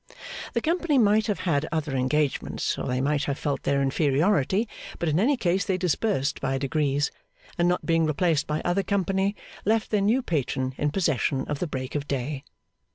The company might have had other engagements, or they might have felt their inferiority, but in any case they dispersed by degrees, and not being replaced by other company, left their new patron in possession of the Break of Day.